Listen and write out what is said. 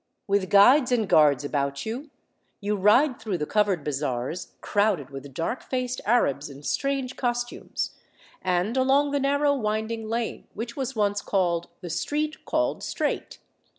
With guides and guards about you, you ride through the covered bazaars crowded with dark faced Arabs in strange costumes, and along the narrow winding lane which was once the "Street Called Straight."